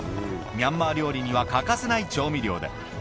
ミャンマー料理には欠かせない調味料だ